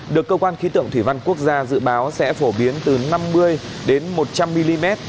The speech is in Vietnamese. được cơ quan khí tượng thủy văn quốc gia dự báo sẽ phổ biến từ năm mươi đến một trăm linh mm